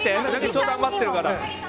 ちょうど余ってるから。